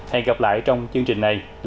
hẹn gặp lại trong chương trình này lần sau